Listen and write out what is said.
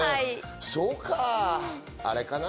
そうか、あれかな？